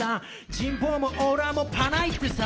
人望もオーラもパないってさ。